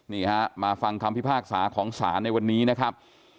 นี่ฮะมาฟังคำพิพากษาของศาลในวันนี้นะครับ